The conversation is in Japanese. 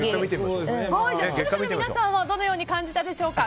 視聴者の皆さんはどのように感じたでしょうか。